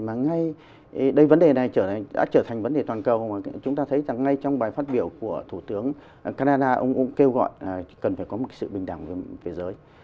mà ngay đây vấn đề này đã trở thành vấn đề toàn cầu mà chúng ta thấy rằng ngay trong bài phát biểu của thủ tướng canada ông cũng kêu gọi cần phải có một sự bình đẳng về giới